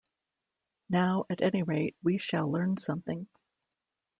Now, at any rate, we shall learn something.